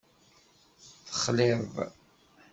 Texliḍ.